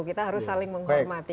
kita harus saling menghormati